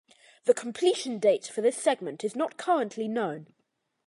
The completion date for this segment is not currently known.